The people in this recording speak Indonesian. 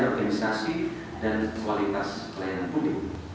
organisasi dan kualitas pelayanan publik